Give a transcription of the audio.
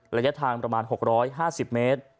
ระยะทางประมาณ๖๕๐เมตร